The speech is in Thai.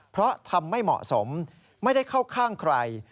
เพราะทำไม่เหมาะสมไม่ได้เข้าข้างใคร